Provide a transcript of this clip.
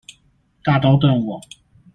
大刀斷網！